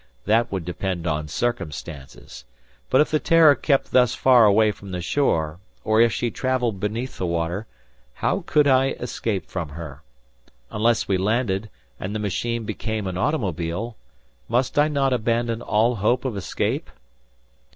That would depend on circumstances! But if the "Terror" kept thus far away from the shore, or if she traveled beneath the water, how could I escape from her? Unless we landed, and the machine became an automobile, must I not abandon all hope of escape?